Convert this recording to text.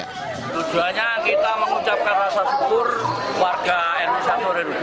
tujuannya kita mengucapkan rasa syukur warga r satu dan r dua